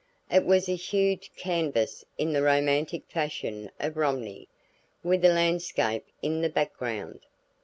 It was a huge canvas in the romantic fashion of Romney, with a landscape in the background.